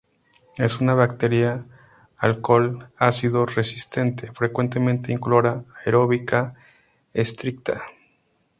Es una bacteria alcohol-ácido resistente, frecuentemente incolora, aeróbica estricta.